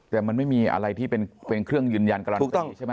แต่มันไม่มีอะไรที่เป็นเครื่องยืนยันการันตีใช่ไหม